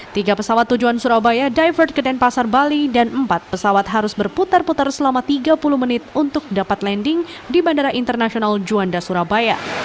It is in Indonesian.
tiga pesawat tujuan surabaya divert ke denpasar bali dan empat pesawat harus berputar putar selama tiga puluh menit untuk dapat landing di bandara internasional juanda surabaya